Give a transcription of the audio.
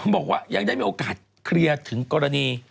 บอกว่ายังได้มีโอกาสเคลียร์ถึงกรณี